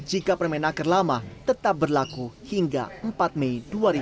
jika permenaker lama tetap berlaku hingga empat mei dua ribu dua puluh